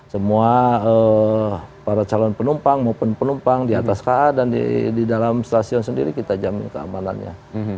semua para calon penumpang maupun penumpang di atas ka dan di dalam stasiun sendiri kita jamin keamanannya